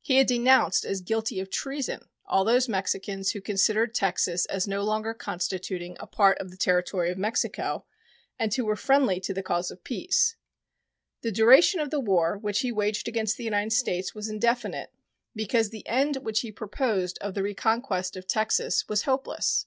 He had denounced as guilty of treason all those Mexicans who considered Texas as no longer constituting a part of the territory of Mexico and who were friendly to the cause of peace. The duration of the war which he waged against the United States was indefinite, because the end which he proposed of the reconquest of Texas was hopeless.